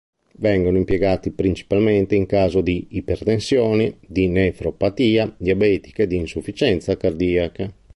Vengono impiegati principalmente in caso di ipertensione, di nefropatia diabetica e di insufficienza cardiaca.